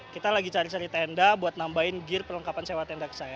kita lagi cari cari tenda buat nambahin gear perlengkapan sewa tenda ke saya